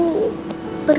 tentuvert itu pecahkan itu